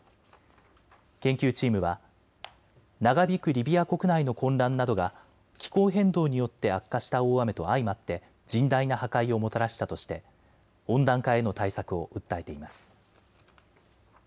研究チームは長引くリビア国内の混乱などが気候変動によって悪化した大雨と相まって甚大な破壊をもたらしたとして温暖化への対策を訴えています。